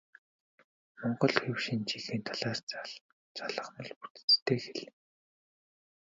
Монгол хэл хэв шинжийнхээ талаас залгамал бүтэцтэй хэл.